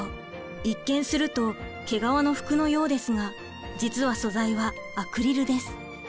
一見すると毛皮の服のようですが実は素材はアクリルです。